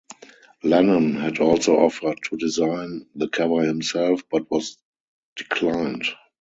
Lennon had also offered to design the cover himself, but was declined.